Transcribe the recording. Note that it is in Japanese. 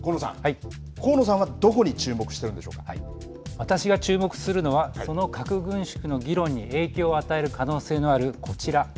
高野さんはどこに私が注目するのはその核軍縮の議論に影響を与える可能性のあるこちら。